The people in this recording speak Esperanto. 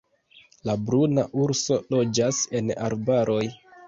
La bruna urso loĝas en arbaroj.